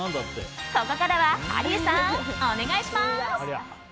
ここからはハリーさん、お願いします。